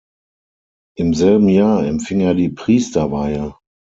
Im selben Jahr empfing er die Priesterweihe.